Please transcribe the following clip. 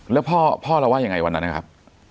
แล้วพ่อเราว่ายังไงวันนั้นนะครับ